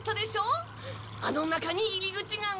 あの中に入り口が。